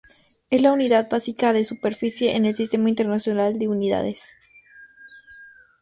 Es la unidad básica de superficie en el Sistema Internacional de Unidades.